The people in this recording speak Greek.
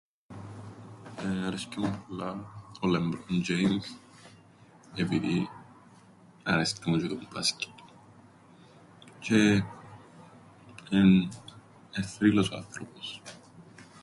Εεε... αρέσκει μου πολλά ο Λεμπρόν Τζ̆έιμς, επειδή αρέσκει μου τζ̆αι το μπάσκετ, τζ̆αι... εν'... εν' θρύλος ο άνθρωπος.